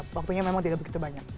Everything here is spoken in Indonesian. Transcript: waktunya memang tidak begitu banyak